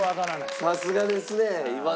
さすがですね今の。